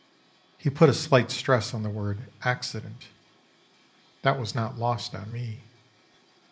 He put a slight stress on the word "accident," that was not lost on me.